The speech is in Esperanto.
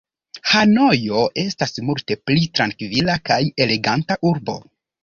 Hanojo estas multe pli trankvila kaj eleganta urbo.